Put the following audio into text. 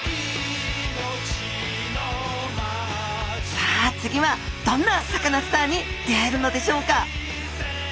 さあ次はどんなサカナスターに出会えるのでしょうか？